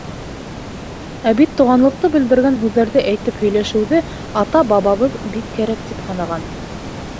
Ә бит туғанлыҡты белдергән һүҙҙәрҙе әйтеп һөйләшеүҙе ата-бабабыҙ бик кәрәк тип һанаған.